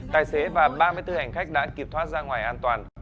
tài xế và ba mươi bốn hành khách đã kịp thoát ra ngoài an toàn